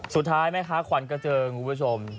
สุดท้ายไหมคะควันกระเจิงคุณผู้ชม